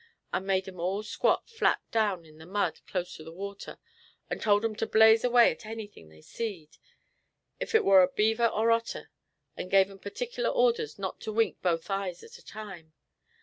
I made 'em all squat flat down on the mud close to the water, and told 'em to blaze away at anything they seed, ef it war a beaver or otter, and gave 'em pertickler orders not to wink both eyes at a time.